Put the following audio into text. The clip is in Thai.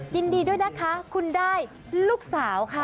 ยินดีด้วยนะคะคุณได้ลูกสาวค่ะ